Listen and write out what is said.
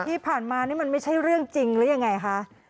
ที่ผ่านมานี่มันไม่ใช่เรื่องจริงหรือยังไงคะ